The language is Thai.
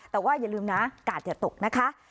แต่ว่าอย่าลืมนะกาดอย่าตกนะคะ